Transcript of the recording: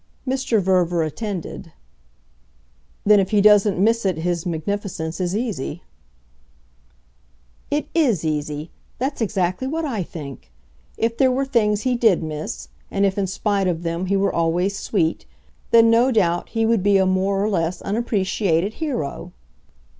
Mr. Verver attended. "Then if he doesn't miss it his magnificence is easy." "It IS easy that's exactly what I think. If there were things he DID miss, and if in spite of them he were always sweet, then, no doubt, he would be a more or less unappreciated hero.